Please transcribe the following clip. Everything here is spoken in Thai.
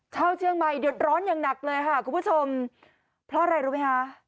ชาวเชียงใหม่เดือดร้อนอย่างหนักเลยค่ะคุณผู้ชมเพราะอะไรรู้ไหมคะ